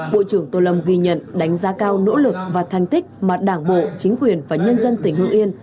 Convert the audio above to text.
bộ trưởng tô lâm ghi nhận đánh giá cao nỗ lực và thành tích mà đảng bộ chính quyền và nhân dân tỉnh hương yên